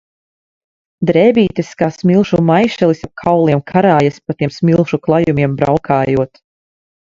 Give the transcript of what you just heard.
Drēbītes kā smilšu maišelis ap kauliem karājas, pa tiem smilšu klajumiem braukājot.